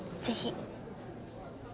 ぜひ。